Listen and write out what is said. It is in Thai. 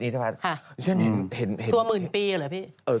ทัวหมื่นปีกันหรอพี่